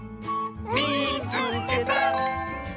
「みいつけた！」。